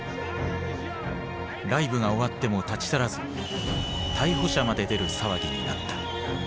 ライブが終わっても立ち去らず逮捕者まで出る騒ぎになった。